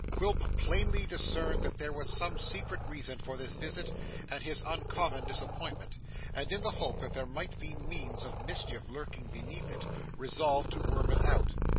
Quilp plainly discerned that there was some secret reason for this visit and his uncommon disappointment, and, in the hope that there might be means of mischief lurking beneath it, resolved to worm it out.